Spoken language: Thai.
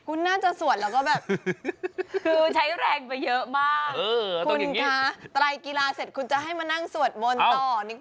คุณน่าจะสวดแล้วก็แบบคือใช้แรงไปเยอะมากคุณคะไตรกีฬาเสร็จคุณจะให้มานั่งสวดมนต์ต่อนิด